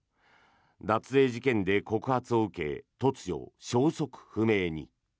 脱税事件で告発を受け突如、消息不明に。